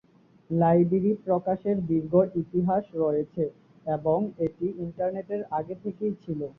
Library প্রকাশের দীর্ঘ ইতিহাস রয়েছে এবং এটি ইন্টারনেটের আগে থেকেই ছিল।